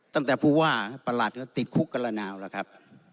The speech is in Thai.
ตั้งแต่ผู้ว่าประหลัดก็ติดคุกกันละนาวแล้วครับ